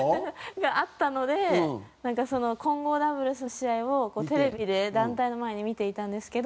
があったのでその混合ダブルスの試合をテレビで団体の前に見ていたんですけど。